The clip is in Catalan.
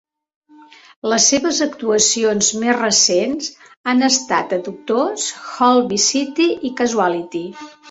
Les seves actuacions més recents han estat a "Doctors", "Holby City" i "Casualty".